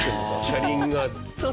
車輪が。